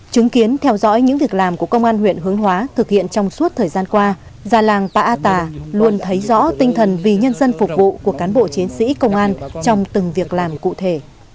chứng kiến theo dõi những việc làm của công an huyện hướng hóa thực hiện trong suốt thời gian qua già làng pa a tà luôn thấy rõ tinh thần vì nhân dân phục vụ của cán bộ chiến sĩ công an trong từng việc làm cụ thể